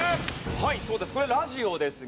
はいそうです。これラジオですがね。